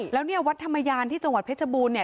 แล้วเนี่ยวัดธรรมยานที่จังหวัดเพชรบูรณเนี่ย